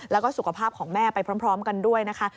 แล้วก็สุขภาพของแม่ไปพร้อมกันด้วยนะคะ